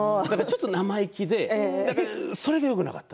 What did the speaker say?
生意気でそれがよくなかった。